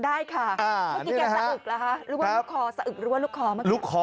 ได้ค่ะเมื่อกี้แกสะอึกหรือว่าลุกคอ